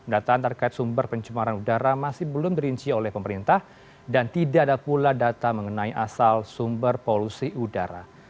data terkait sumber pencemaran udara masih belum dirinci oleh pemerintah dan tidak ada pula data mengenai asal sumber polusi udara